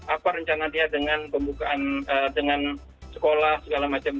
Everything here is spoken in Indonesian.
apa rencana dia dengan pembukaan dengan sekolah segala macam